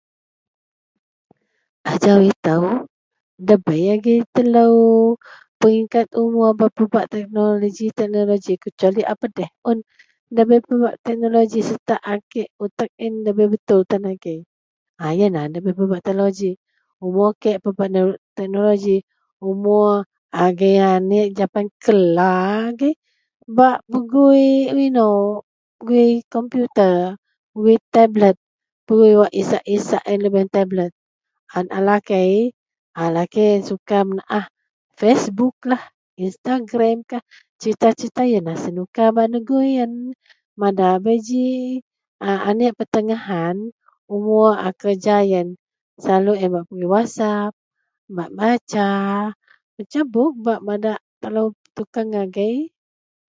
Ajau ito dabei agei telo peringkat umor bak pebak teknoloji teknoloji kecuali a pedeh un ndabei pebak teknoloji serta a kek otak iyen dabei bei betul tan agei ien lah nda pebak teknoloji umur kek bak pebak teknoloji umor agei anek japan kela agei bak pegui ino pegui komputer pegui tablet pegui isak-isak lubeang dagen tablet. A lakei a lakei bak manaah facebook, instagram serita-serita ienlah bak gui iyen mada bei ji Anek a petengahan umur a kerja pegui whatssap bak basa basa buk bak madak telo tukeang agei.